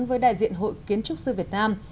với đại diện hội kiến trúc sư việt nam